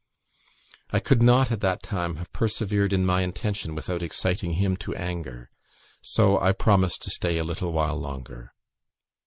I could not, at that time, have persevered in my intention without exciting him to anger; so I promised to stay a little while longer.